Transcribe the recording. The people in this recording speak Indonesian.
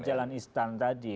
jalan instan tadi